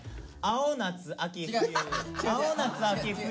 「青夏秋冬」？